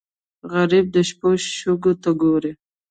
غریب د شپو شګو ته ګوري